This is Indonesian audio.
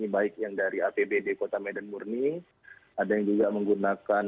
baik yang dari apbd kota medan murni ada yang juga menggunakan